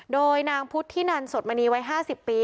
โดยนางพุทธินันสดมณีวัย๕๐ปี